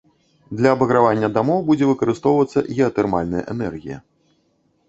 Для абагравання дамоў будзе выкарыстоўвацца геатэрмальная энергія.